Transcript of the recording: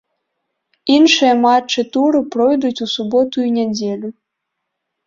Іншыя матчы туру пройдуць у суботу і нядзелю.